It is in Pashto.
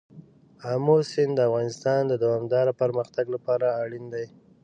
آمو سیند د افغانستان د دوامداره پرمختګ لپاره اړین دی.